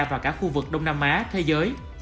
và cả khu vực đông nam á thế giới